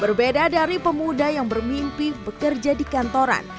berbeda dari pemuda yang bermimpi bekerja di kantoran